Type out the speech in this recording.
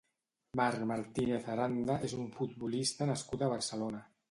Marc Martínez Aranda és un futbolista nascut a Barcelona.